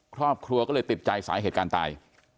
ครอบครัวก็เลยติดใจสาเหตุการณ์ตาย